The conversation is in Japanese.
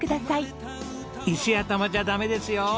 石頭じゃダメですよ。